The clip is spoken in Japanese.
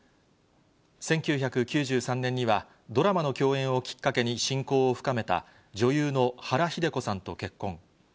１９９３年にはドラマの共演をきっかけに親交を深めた、女優の原日出子さんと結婚。